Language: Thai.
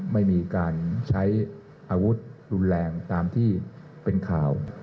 ไม่มีการใช้อาวุธรุนแรงตามที่เป็นข่าว